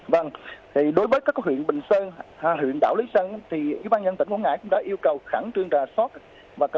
vâng thì đối với các huyện bình sơn huyện đảo lý sơn thì ủy ban nhân dân tỉnh quảng ngãi cũng đã yêu cầu khẩn trương ra soát